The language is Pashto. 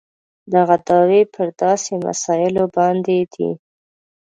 دغه دعوې پر داسې مسایلو باندې دي.